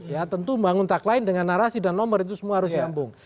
ya tentu bangun tagline dengan narasi dan nomor itu semua harus nyambung